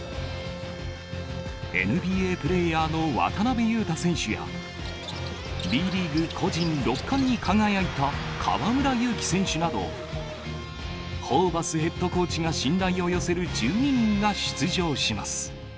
ＮＢＡプレーヤーの渡邊雄太選手や、Ｂリーグ個人６冠に輝いた河村勇輝選手など、ホーバスヘッドコーチが信頼を寄せる１２人が出場します。